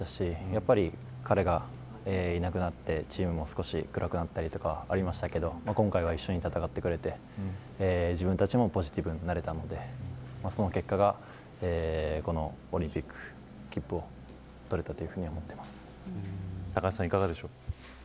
やっぱり彼がいなくなってチームが少し暗くなったりありましたけど今回は一緒に戦ってくれて自分たちもポジティブになれたのでその結果がこのオリンピックの切符を取れたというふうに高橋さん、いかがでしょう。